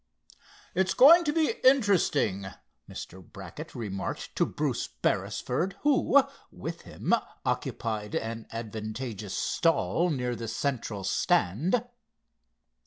"It's going to be interesting," Mr. Brackett remarked to Bruce Beresford, who with him occupied an advantageous stall near the central stand.